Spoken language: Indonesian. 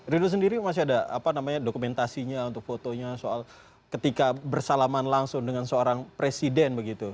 ridho sendiri masih ada apa namanya dokumentasinya untuk fotonya soal ketika bersalaman langsung dengan seorang presiden begitu